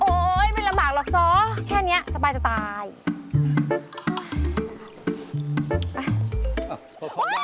โอ๊ยไม่ลำบากหรอกซ้อแค่นี้สบายจะตาย